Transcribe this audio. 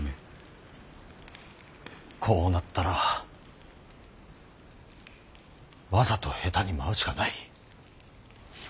こうなったらわざと下手に舞うしかない。